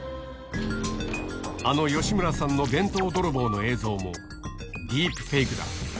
あの吉村さんの弁当泥棒の映像も、ディープフェイクだ。